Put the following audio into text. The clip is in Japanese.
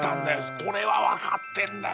これは分かってんだよ。